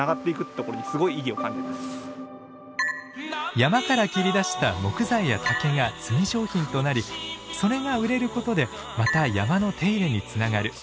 山から切り出した木材や竹が炭商品となりそれが売れることでまた山の手入れにつながる。